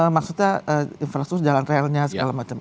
maksudnya infrastruktur jalan relnya segala macam